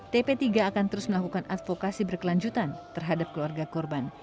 tp tiga akan terus melakukan advokasi berkelanjutan terhadap keluarga korban